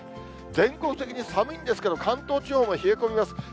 全国的に寒いんですけど、関東地方も冷え込みます。